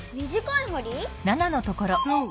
そう。